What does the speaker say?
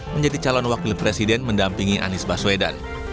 menjadi calon wakil presiden mendampingi anies baswedan